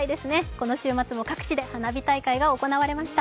この週末も各地で花火大会が行われました。